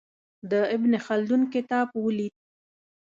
د ابن خلدون کتاب ولید.